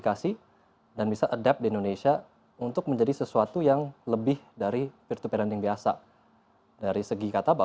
jadi kalau di luar negeri kan memang sudah ada yang peer to peer lending kan sudah ada sepuluh tahun kira kira ya